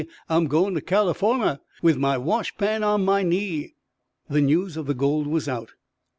I'm goin' to Californuah, With my wash pan on my knee_. The news of the gold was out.